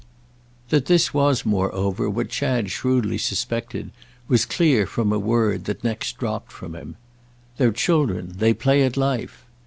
That this was moreover what Chad shrewdly suspected was clear from a word that next dropped from him. "They're children; they play at life!"